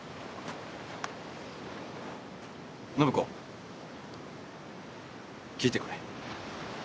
暢子、聞いてくれ。